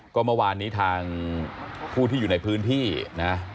ก็เมื่อวานนี้ทางผู้ที่อยู่ในพื้นที่นะ